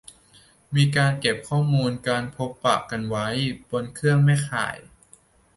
มีการเก็บข้อมูลการพบปะกันไว้บนเครื่องแม่ข่าย